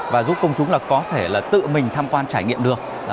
và giúp công chúng là có thể là tự mình tham quan trải nghiệm được